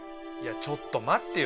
ちょっと待ってよ